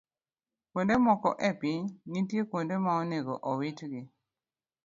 Kuonde moko e piny, nitie kuonde ma onego owitgi.